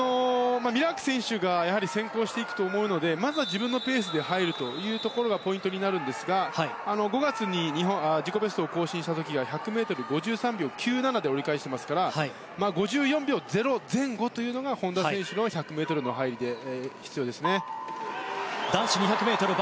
ミラーク選手が先行していくと思うのでまずは自分のペースで入るというところがポイントになるんですが５月に自己ベストを更新した時は１００ｍを５３秒９７で折り返していますから５４秒０前後というのは本多選手の１００ｍの入りでは必要ですね。